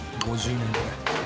５０年？